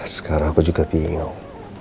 sekarang aku juga bingung